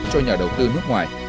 cho nhà đầu tư nước ngoài